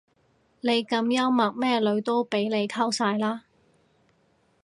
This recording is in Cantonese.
你咁幽默咩女都俾你溝晒啦